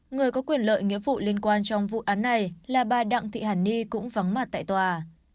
người có quyền lợi nghĩa vụ liên quan trong vụ án này là bà đặng thị hàn ni cũng vắng mặt tại tòa